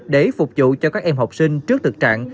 để phục vụ cho các em học sinh trước thực trạng